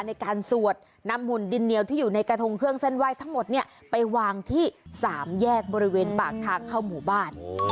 ในการสวดนำหุ่นดินเหนียวที่อยู่ในกระทงเครื่องเส้นไหว้ทั้งหมดเนี่ยไปวางที่สามแยกบริเวณปากทางเข้าหมู่บ้าน